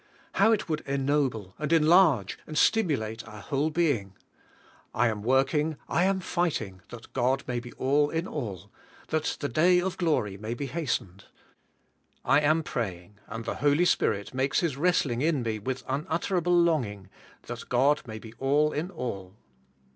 How it would ennoble, and enlarge, and stimulate our whole being! I am work ing, I am fighting, "that God may be all in all;" that the daj^ of glor}^ may be hastened. I am praying, and the Holy Spirit makes His wrest ling in me with unutterable longing, "that God may be all in all."